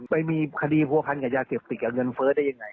ไปมีคดีผัวพันนับยาเสียปฏิกิจเอาเงินเฟิลต์ได้ยังไง